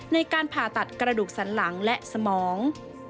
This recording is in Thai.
ในการผ่าตัดกระดูกสันหลังและสมอง